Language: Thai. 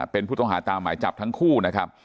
เป็นผู้ต้องหาตามหมายจับทั้งคู่นะครับ